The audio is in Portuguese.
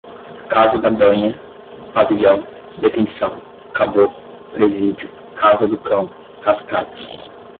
casa da banha, pavilhão, detenção, caboclo, presídio, casa do cão, cascata